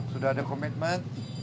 sudah ada komitmen